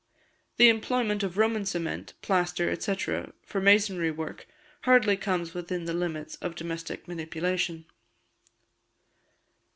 The employment of Roman cement, plaster, &c., for masonry work, hardly comes within the limits of Domestic Manipulation.